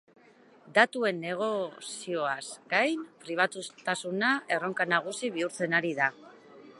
Datuen negozioaz gain, pribatutasuna erronka nagusi bihurtzen ari da.